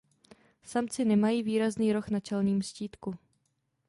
Samci nemají výrazný roh na čelním štítku.